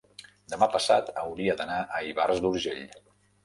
demà passat hauria d'anar a Ivars d'Urgell.